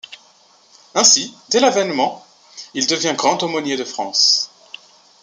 Ainsi, dès l’avènement, il devient grand aumônier de France.